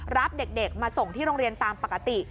รับเด็กมาส่งที่โรงเรียนตามปกติ